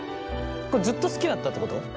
これずっと好きだったってこと？